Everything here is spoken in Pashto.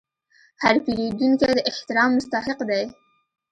هر پیرودونکی د احترام مستحق دی.